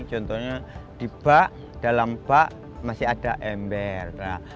contohnya di bak dalam bak masih ada ember